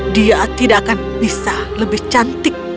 dia tidak akan bisa lebih cantik